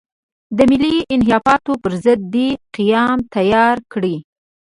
د ملي انحرافاتو پر ضد دې قیام تیاره کړي.